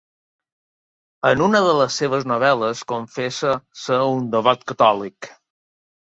En una de les seves novel·les confessa ser un devot catòlic.